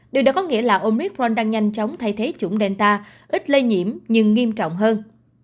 điều đó có nghĩa là omicron đang nhanh chóng thay thế chủng delta ít lây nhiễm nhưng nghiêm trọng hơn